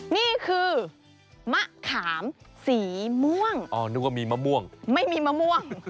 นี่คือมะขามสีม่วงอ๋อนึกว่ามีมะม่วงไม่มีมะม่วง